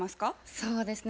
そうですね。